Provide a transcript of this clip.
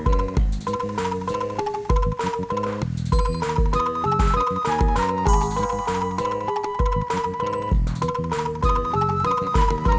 lagi nganter ke cimpring